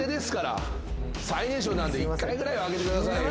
最年少なんで１回ぐらいはあげてくださいよ。